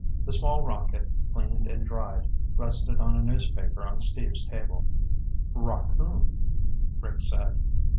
The small rocket, cleaned and dried, rested on a newspaper on Steve's table. "Rockoon," Rick said.